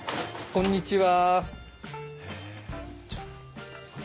こんにちは。